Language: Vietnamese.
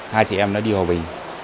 hai chị em nó đi hòa bình